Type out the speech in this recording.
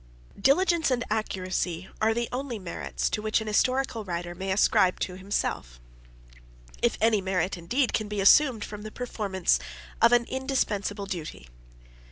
Diligence and accuracy are the only merits which an historical writer may ascribe to himself; if any merit, indeed, can be assumed from the performance of an indispensable duty.